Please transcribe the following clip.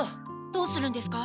どうするんですか？